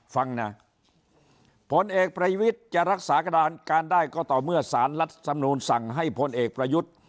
ฟังนะผลเอกประวิทย์จะรักษากระดานการได้ก็ต่อเมื่อสารรัฐธรรมนูลสั่งให้พลเอกประยุทธ์